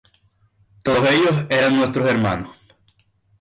Todos ellos eran nuestros hermanos.